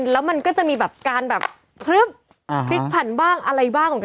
แล้วมันก็จะมีการแบบพลิกผันบ้างอะไรบ้างของกัน